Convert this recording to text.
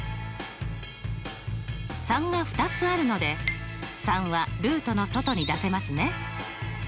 ３が２つあるので３はルートの外に出せますね。